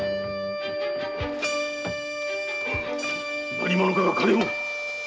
何者かが金を！